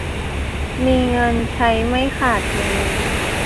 มีเงินใช้ไม่ขาดมือ